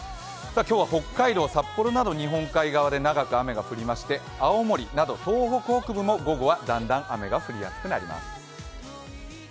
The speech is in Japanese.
今日は北海道・札幌など日本海側で長く雨が降りまして青森など東北北部も午後はだんだん雨が降りやすくなります。